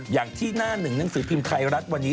อย่างที่หน้าหนึ่งหนังสือพิมพ์ไทยรัฐวันนี้